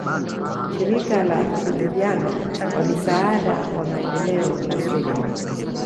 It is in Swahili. Shirika la Ushirikiano wa Misaada wa Maendeleo la Sweden